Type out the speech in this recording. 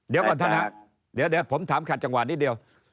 เดี๋ยวก่อนท่านฮะเดี๋ยวผมถามขาดจังหวะนิดเดียว